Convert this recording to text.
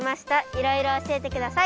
いろいろ教えてください。